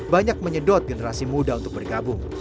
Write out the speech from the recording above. banyak menyedot generasi muda untuk bergabung